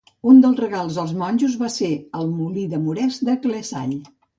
Un dels regals als monjos va ser el molí de moresc d'Ecclesall.